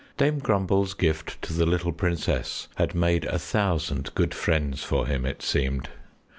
Dame Grumble's gift to the little princess had made a thousand good friends for him, it seemed.